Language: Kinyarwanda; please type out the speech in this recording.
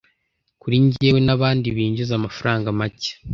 kuri njyewe nabandi binjiza amafaranga make